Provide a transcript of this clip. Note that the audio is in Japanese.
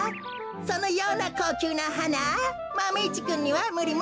そのようなこうきゅうなはなマメ１くんにはむりむりですよ。